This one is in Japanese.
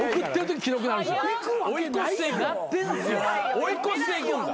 追い越していくんだ。